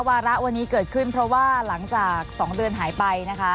วาระวันนี้เกิดขึ้นเพราะว่าหลังจาก๒เดือนหายไปนะคะ